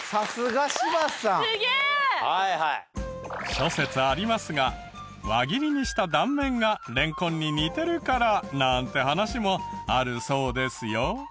諸説ありますが輪切りにした断面がレンコンに似てるからなんて話もあるそうですよ。